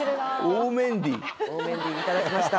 大メンディー大メンディーいただきました